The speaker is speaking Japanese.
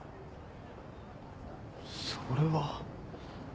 それは。